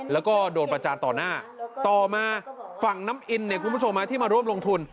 แล้วก็โดนประจานต่อหน้าต่อมาฝั่งน้ำอินที่มาร่วมลงทุน